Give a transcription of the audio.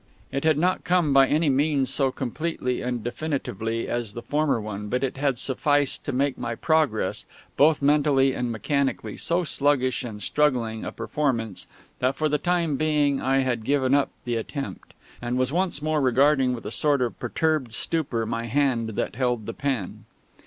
It had not come by any means so completely and definitively as the former one, but it had sufficed to make my progress, both mentally and mechanically, so sluggish and struggling a performance that for the time being I had given up the attempt, and was once more regarding with a sort of perturbed stupor my hand that held the pen.